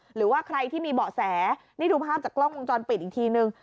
หรือว่าใครที่มีเบาะแสนี่ดูภาพจากกล้องวงจรปิดอีกทีนึง